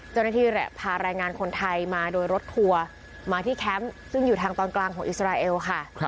เจ้าหน้าที่แหละพาแรงงานคนไทยมาโดยรถทัวร์มาที่แคมป์ซึ่งอยู่ทางตอนกลางของอิสราเอลค่ะ